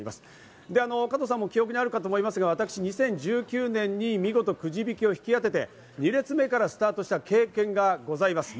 加藤さんも記憶にあるかと思いますが、２０１９年に見事、くじ引きを引き当てて、２列目からスタートした経験がございます。